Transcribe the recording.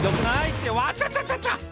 「ってわちゃちゃちゃちゃ！」